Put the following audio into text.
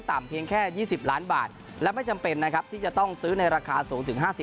เพียงแค่๒๐ล้านบาทและไม่จำเป็นนะครับที่จะต้องซื้อในราคาสูงถึง๕๐